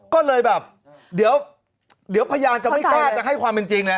ก็เลยแบบเดี๋ยวพยานจะไม่กล้าจะให้ความเป็นจริงนะ